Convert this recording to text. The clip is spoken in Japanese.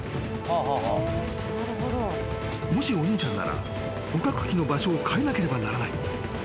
［もしお兄ちゃんなら捕獲器の場所を変えなければならない］